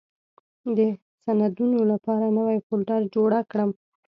د سندونو لپاره نوې فولډر جوړه کړم.